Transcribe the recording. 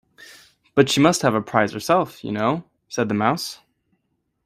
‘But she must have a prize herself, you know,’ said the Mouse.